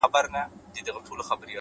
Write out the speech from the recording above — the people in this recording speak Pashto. هوډ د سختو ورځو ملګری دی؛